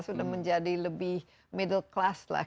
sudah menjadi lebih middle class lah